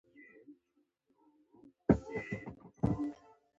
په کښتۍ کې مې کېښوده او بېرته جميله ته ورغلم.